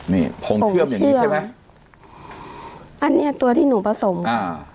นี่พงเชื่อมอย่างงี้ใช่ไหมอันเนี้ยตัวที่หนูผสมอ่า